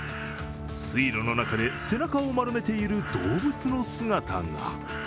水路の中で背中を丸めている動物の姿が。